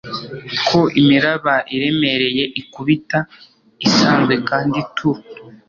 ko imiraba iremereye ikubita, isanzwe kandi ituje